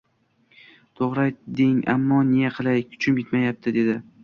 To'g'ri aytding, ammo ne qilay, kuchim yetmayapti,—dedi.